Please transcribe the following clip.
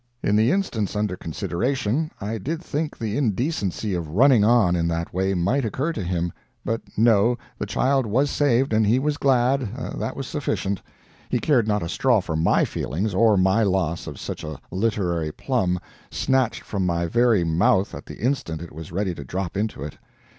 In the instance under consideration, I did think the indecency of running on in that way might occur to him; but no, the child was saved and he was glad, that was sufficient he cared not a straw for MY feelings, or my loss of such a literary plum, snatched from my very mouth at the instant it was ready to drop into it.